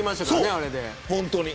あれで。